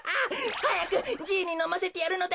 はやくじいにのませてやるのだ。